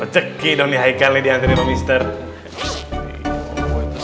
ocek gitu nih haikal nih diantriin oleh ustad